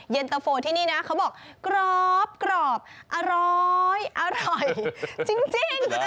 เย็นตะโฟที่นี่นะเขาบอกกรอบอร้อยอร่อยจริง